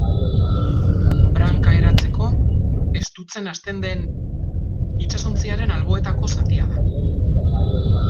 Branka eratzeko estutzen hasten den itsasontziaren alboetako zatia da.